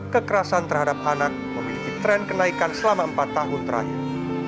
kekerasan terhadap anak memiliki tren kenaikan selama empat tahun terakhir